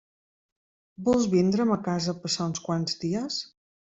Vols vindre a ma casa a passar uns quants dies?